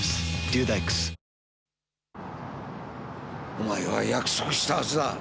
お前は約束したはずだ。